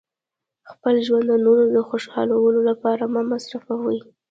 خپل ژوند د نورو د خوشحالولو لپاره مه مصرفوئ.